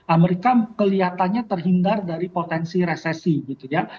amerika kelihatannya terhindar dari potensi resesi gitu ya